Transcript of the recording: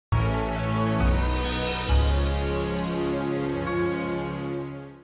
sampai jumpa di video selanjutnya